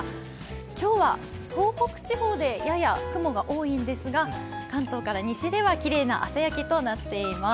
今日は東北地方でやや雲が多いんですが、関東から西ではきれいな朝焼けとなっています。